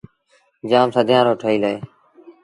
جآم سديآن رو ٺهيٚل اهي۔